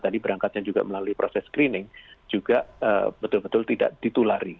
dan juga melalui proses screening juga betul betul tidak ditulari